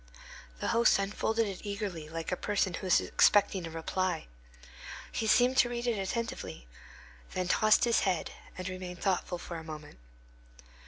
The host unfolded it eagerly, like a person who is expecting a reply. He seemed to read it attentively, then tossed his head, and remained thoughtful for a moment.